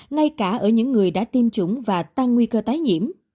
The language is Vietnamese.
ngay cả ở những người đã tiêm chủng và tăng nguy cơ tái nhiễm